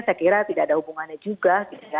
saya kira tidak ada hubungannya juga